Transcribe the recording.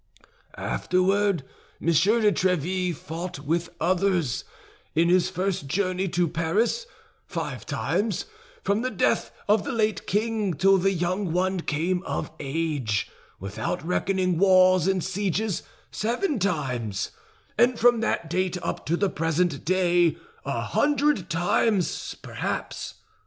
Afterward, Monsieur de Tréville fought with others: in his first journey to Paris, five times; from the death of the late king till the young one came of age, without reckoning wars and sieges, seven times; and from that date up to the present day, a hundred times, perhaps!